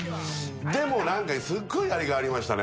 でも、すっごいやりがいありましたね。